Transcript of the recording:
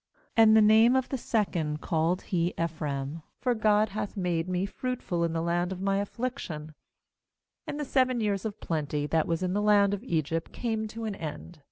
^And the name of the second called he bEphraim: 'for God hath made me fruitful in the land of my affliction/ ^And the seven years of plenty, that was in the land of Egypt, came to an end.